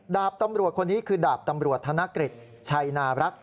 ดาบตำรวจคนนี้คือดาบตำรวจธนกฤษชัยนารักษ